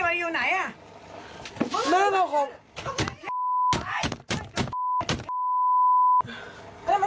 มันจะอยู่ไหนอะรหน้าของ